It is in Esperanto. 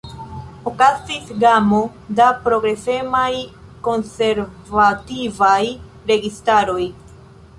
Okazis gamo da progresemaj konservativaj registaroj.